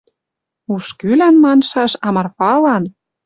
Уж кӱлӓн, маншаш, а Марфалан